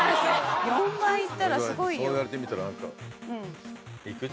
４倍いったらすごいよそう言われてみたら何かいく？